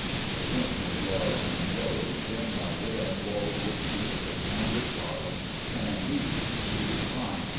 The room was large and low, dim lighted and walled with tiers of canvas bottomed "standees" three high.